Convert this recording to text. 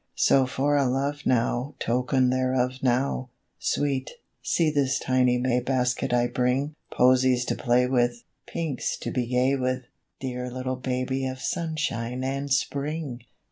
So for a love now Token thereof now, Sweet, see this tiny May basket I bring; Posies to play with, Pinks to be gay with, Dear little baby of sunshine and spring!